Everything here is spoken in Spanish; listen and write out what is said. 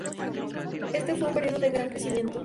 Este fue un período de gran crecimiento.